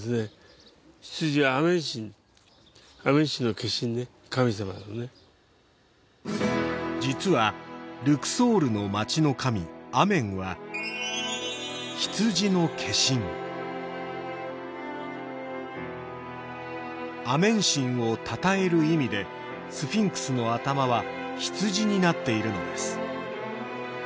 神様なのね実はルクソールの町の神アメンは羊の化身アメン神をたたえる意味でスフィンクスの頭は羊になっているのです